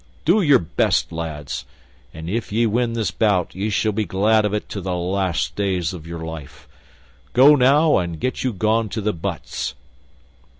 Do your best, lads, and if ye win this bout ye shall be glad of it to the last days of your life. Go, now, and get you gone to the butts."